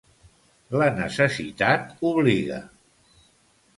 La necessitat obliga.